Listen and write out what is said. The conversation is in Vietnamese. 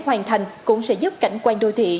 khi dự án hoàn thành cũng sẽ giúp cảnh quan đô thị